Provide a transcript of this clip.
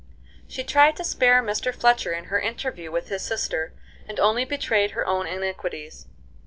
She tried to spare Mr. Fletcher in her interview with his sister, and only betrayed her own iniquities.